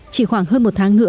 chỉ khoảng hơn một tháng nữa